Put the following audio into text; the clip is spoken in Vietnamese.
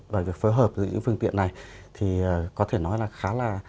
và việc phối hợp giữa những phương tiện này thì có thể nói là khá là